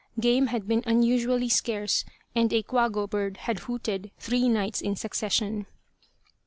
Game had been unusually scarce, and a "quago" bird had hooted three nights in succession.